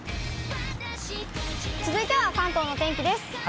続いては関東のお天気です。